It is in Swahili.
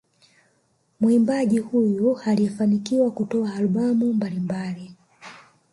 Muimbaji huyu amefanikiwa kutoa albamu mbalimbali